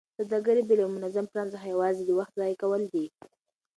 سوداګري بې له یوه منظم پلان څخه یوازې د وخت ضایع کول دي.